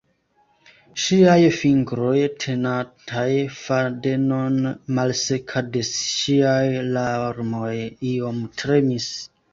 Ŝiaj fingroj, tenantaj fadenon, malseka de ŝiaj larmoj, iom tremis.